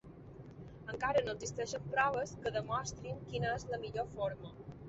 Encara no existeixen proves que demostrin quina és la millor forma.